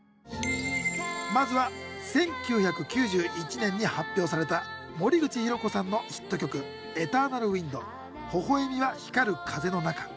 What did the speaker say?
まずは１９９１年に発表された森口博子さんのヒット曲「ＥＴＥＲＮＡＬＷＩＮＤほほえみは光る風の中」。